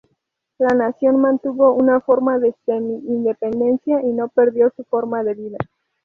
La nación mantuvo una forma de semi-independencia y no perdió su forma de vida.